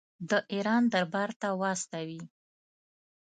د ایران دربار ته واستوي.